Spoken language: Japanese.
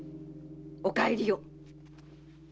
お帰りを！